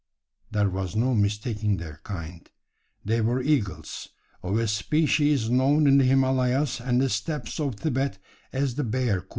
There was no mistaking their kind they were eagles of a species known in the Himalayas and the steppes of Thibet as the "bearcoot."